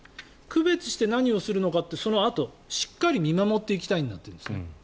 区別して何をするのかってそのあと、しっかり見守っていきたいんだって言うんですね。